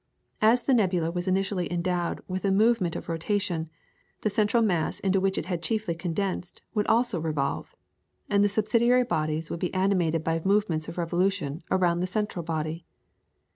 As the nebula was initially endowed with a movement of rotation, the central mass into which it had chiefly condensed would also revolve, and the subsidiary bodies would be animated by movements of revolution around the central body.